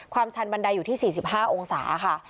ชันบันไดอยู่ที่๔๕องศาค่ะ